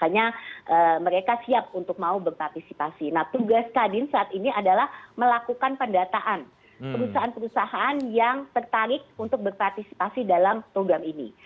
nah tugas kadin saat ini adalah melakukan pendataan perusahaan perusahaan yang tertarik untuk berpartisipasi dalam program ini